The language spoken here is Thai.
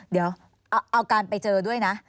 เดี๋ยวเอาการไปเจอด้วยนะ